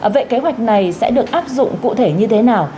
vậy kế hoạch này sẽ được áp dụng cụ thể như thế nào